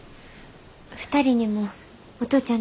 ☎２人にもお父ちゃん